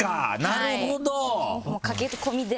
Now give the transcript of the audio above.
なるほど。